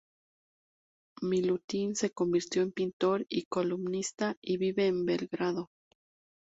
Milutin se convirtió en pintor y columnista, y vive en Belgrado.